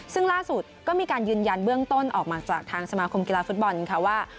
ซึ่งล่าสุดก็มีการยืนยันเบื้องต้นออกมาจากทางสมาคมกีฬาฟุตบอลค่ะว่า